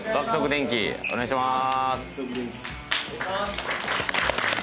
お願いします。